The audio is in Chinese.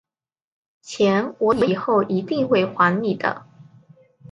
钱我以后一定会还你的